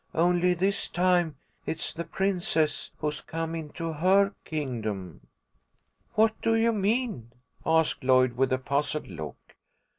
Only this time it's the princess who's come into her kingdom." "What do you mean?" asked Lloyd, with a puzzled look.